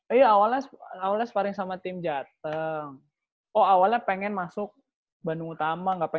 iya awalnya sparring sama tim jateng oh awalnya pengen masuk bandung utama